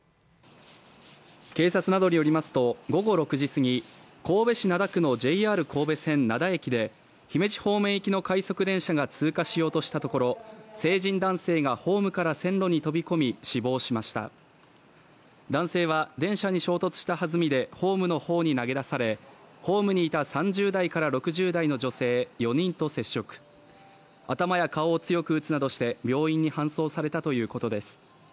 警察などによりますと午後６時過ぎ神戸市灘区のＪＲ神戸線灘駅で姫路方面行きの快速電車が通過しようとしたところ成人男性がホームから線路に飛び込み死亡しました男性は電車に衝突したはずみでホームの方に投げ出されホームにいた３０代から６０代の女性４人と接触頭や顔を強く打つなどして病院に搬送されたということです